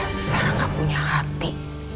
dasar gak punya hati